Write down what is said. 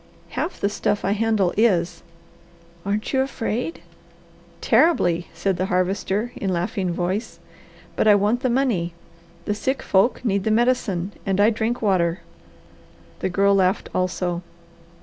"Half the stuff I handle is." "Aren't you afraid?" "Terribly," said the Harvester in laughing voice. "But I want the money, the sick folk need the medicine, and I drink water." The Girl laughed also.